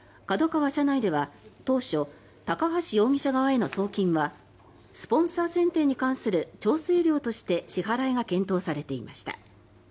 社内では当初、高橋容疑者側への送金はスポンサー選定に関する調整料として支払いが検討されていました。